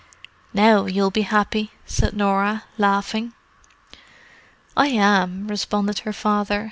"Now you'll be happy!" said Norah, laughing. "I am," responded her father.